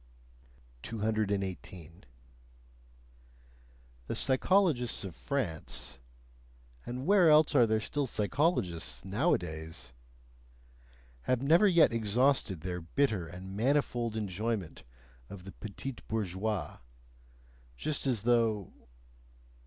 218. The psychologists of France and where else are there still psychologists nowadays? have never yet exhausted their bitter and manifold enjoyment of the betise bourgeoise, just as though...